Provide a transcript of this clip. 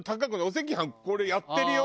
お赤飯これやってるよ？